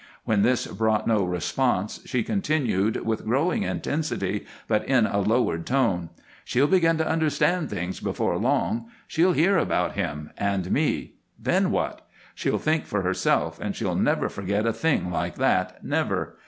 When this brought no response she continued, with growing intensity, but in a lowered tone. "She'll begin to understand things before long. She'll hear about him and me. Then what? She'll think for herself, and she'll never forget a thing like that, never.